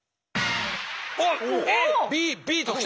おっＡＢＢときた。